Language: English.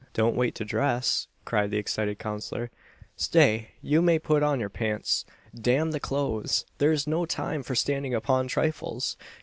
"Don't wait to dress," cried his excited counsellor, "stay, you may put on your pants. Damn the clothes! There's no time for standing upon trifles.